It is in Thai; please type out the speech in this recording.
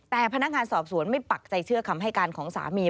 แต่พนักงานสอบสวนไม่ปักใจเชื่อคำให้การของสามี